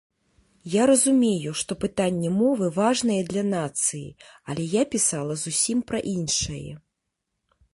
Я разумею, што пытанне мовы важнае для нацыі, але я пісала зусім пра іншае.